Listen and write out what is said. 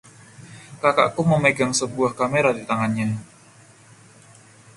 Kakakku memegang sebuah kamera di tangannya.